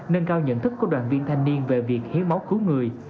nâng cao nhận thức của đoàn viên thanh niên về việc hiến máu cứu người